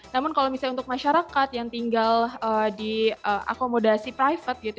namun kalau misalnya untuk masyarakat yang tinggal diakomodasi private gitu